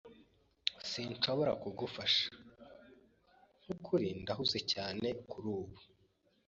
Sinshobora kugufasha. Nkukuri, ndahuze cyane kurubu.